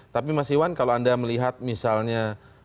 tapi mas iwan kalau anda melihat misalnya